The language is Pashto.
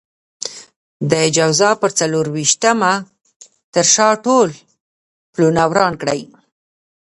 د جوزا پر څلور وېشتمه تر شا ټول پلونه وران کړئ.